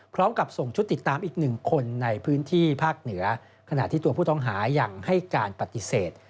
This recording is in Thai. พร้อมกับส่งชุดติดตามอีกหนึ่งคนในพื้นที่ภาคเหนือขณะที่ตัวผู้ต้องหายังให้การปฏิเสธ